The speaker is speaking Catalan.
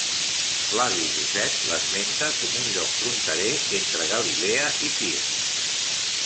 Flavi Josep l'esmenta com un lloc fronterer entre Galilea i Tir.